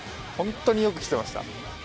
ホントによく来てました。